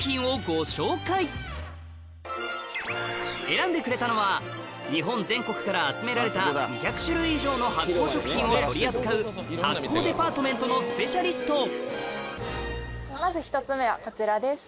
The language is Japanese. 選んでくれたのは日本全国から集められた２００種類以上の発酵食品を取り扱う発酵デパートメントのスペシャリストこちらです。